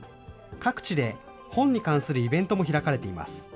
各地で、本に関するイベントも開かれています。